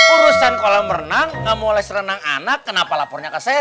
urusan kolam renang nggak mau les renang anak kenapa lapornya ke saya